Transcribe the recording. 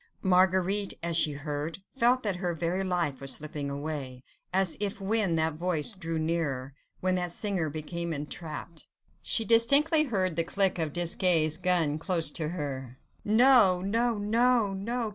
Marguerite as she heard, felt that her very life was slipping away, as if when that voice drew nearer, when that singer became entrapped ... She distinctly heard the click of Desgas' gun close to her. ... No! no! no! no!